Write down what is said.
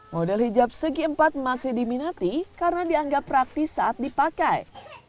model hijab segi empat masih diminati karena dianggap praktis saat dipakai